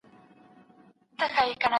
څېړونکی تل د نویو حقایقو په لټه کي وي.